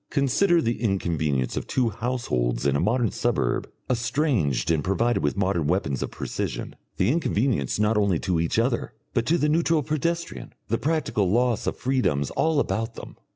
Consider the inconvenience of two households in a modern suburb estranged and provided with modern weapons of precision, the inconvenience not only to each other, but to the neutral pedestrian, the practical loss of freedoms all about them.